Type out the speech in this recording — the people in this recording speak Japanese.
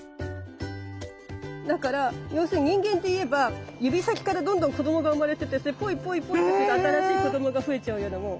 だから要するに人間でいえば指先からどんどん子どもが生まれててそれポイポイポイって新しい子どもが増えちゃうようなもん。